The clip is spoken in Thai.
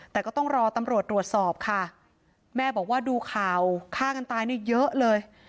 แต่ก็ต้องรอตำรวจตรวจสอบค่ะแม่บอกว่าดูข่าวฆ่ากันตายเนี่ยเยอะเลย